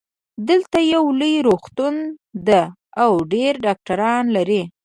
دلته یو لوی روغتون ده او ډېر ډاکټران لری